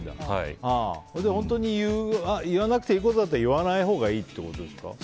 本当に言わなくていいことだったら言わないほうがいいってことですか。